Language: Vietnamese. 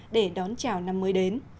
để đón chào năm mới đến